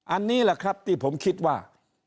อันนี้แหละครับที่ผมคิดว่า